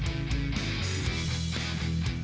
dapat jersi yang baru pak